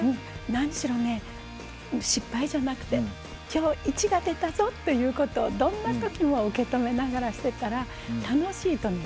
何しろね失敗じゃなくて今日イチが出たぞということをどんなときも受け止めながらしてたら楽しいとね